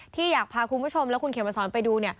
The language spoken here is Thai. ที่อยากพาคุณผู้ชมและคุณเขียวมาสอนไปดูเนี่ย